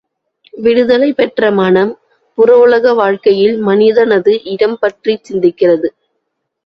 விடுதலை பெற்ற மனம் புற உலக வாழ்க்கையில் மனிதனது இடம் பற்றிச் சிந்திக்கிறது.